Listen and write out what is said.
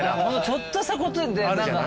ちょっとしたことで。